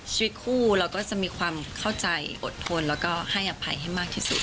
ชีวิตคู่เราก็จะมีความเข้าใจอดทนแล้วก็ให้อภัยให้มากที่สุด